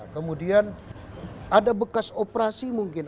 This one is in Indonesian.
kemudian ada bekas operasi mungkin